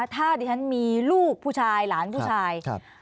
ถ้าดิฉันมีลูกผู้ชายหลานผู้ชาย